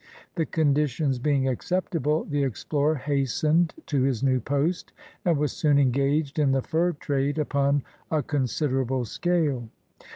The conditions being acceptable, the explorer hastened to his new post and was soon engaged in the fur trade upon a considerable scale.